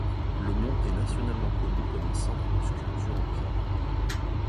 Le mont est nationalement connu comme un centre de sculptures en pierre.